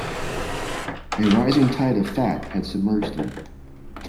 A rising tide of fat had submerged them.